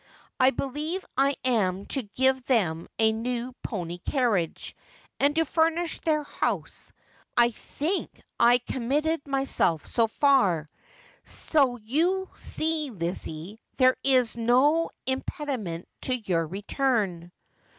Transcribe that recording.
I believe I am to give them a new pony carriage, and to furnish their house. I think I committed myself so far. So you see, Lizzie, there is no impediment to your return.'